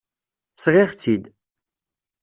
Sɣiɣ-tt-id.